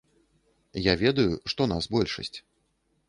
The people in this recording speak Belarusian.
Я ведаю, што нас большасць.